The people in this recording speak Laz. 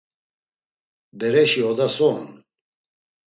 “Bereşi oda so on?”